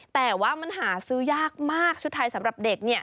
แต่ว่ามันหาซื้อยากมากชุดไทยสำหรับเด็ก